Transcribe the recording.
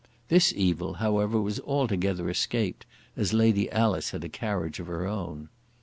This evil, however, was altogether escaped, as Lady Alice had a carriage of her own.